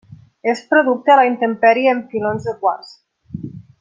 És producte a la intempèrie en filons de quars.